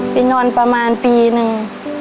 ไปนอนประมาณปีหนึ่ง